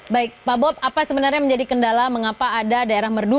baik pak bob apa sebenarnya menjadi kendala mengapa ada daerah merdu